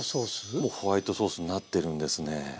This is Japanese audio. もうホワイトソースになってるんですね。